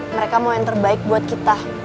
mereka mau yang terbaik buat kita